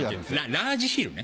ラージヒルね。